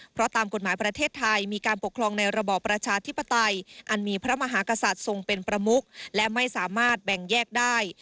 เพราะตามกฎหมายประเทศไทยมีการปกครองในระบอบประชาธิปไตยอันมีพระมหากษัตริย์ทรงเป็นประมุกและไม่สามารถแบ่งแยกได้